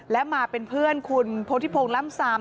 และมาเป็นเพื่อนคุณโพธิพงศ์ล่ำซาม